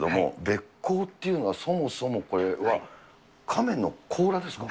べっ甲っていうのは、そもそもこれは、亀の甲羅ですか？